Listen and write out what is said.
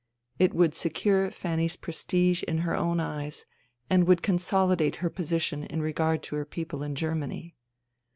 It would secure Fanny's prestige in her own eyes and would consolidate her position in regard to her people in Germany.